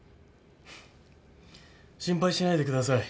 心配しないでください。